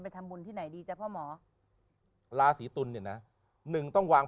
ทำบุญที่ไหนดีจ๊ะพ่อหมอราศีตุลเนี่ยนะหนึ่งต้องวาง